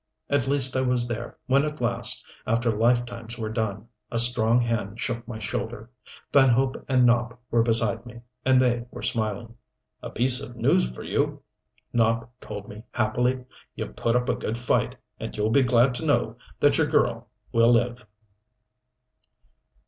At least I was there when at last, after lifetimes were done, a strong hand shook my shoulder. Van Hope and Nopp were beside me, and they were smiling. "A piece of news for you," Nopp told me, happily. "You put up a good fight and you'll be glad to know that your girl will live."